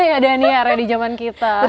nggak ada ya daniel di zaman kita